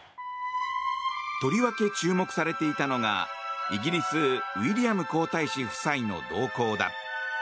とりわけ注目されていたのがイギリスウィリアム皇太子夫妻の動向だ。